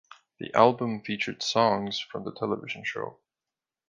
The album featured songs from the television show.